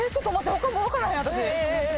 他もう分からへん私。